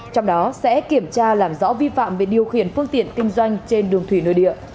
trong đó sẽ kiểm tra làm rõ vi phạm về điều khiển phương tiện kinh doanh trên đường thủy nơi địa